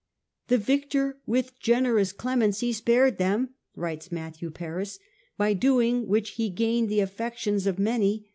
" The victor, with generous clemency, spared them," writes Matthew Paris ;" by doing which he gained the affections of many.